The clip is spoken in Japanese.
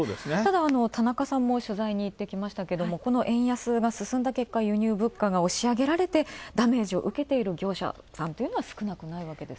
田中さんも取材に行ってきましたけれどもこの円安が進んだ結果輸入物価が押し上げられてダメージを受けている業者も少なくない。